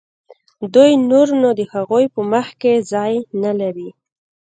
دوی نور نو د هغوی په منځ کې ځای نه لري.